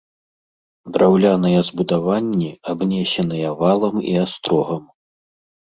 Драўляныя збудаванні абнесеныя валам і астрогам.